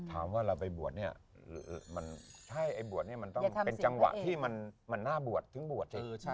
ถามว่าเราไปบวชเนี่ยถ้าไอ้บวชเนี่ยมันต้องเป็นจังหวะที่มันน่าบวชถึงบวช